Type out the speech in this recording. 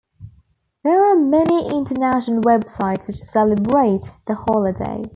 There are many international websites which celebrate the holiday.